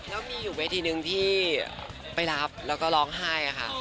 แล้วมีอยู่เวทีนึงที่ไปรับแล้วก็ร้องไห้ค่ะ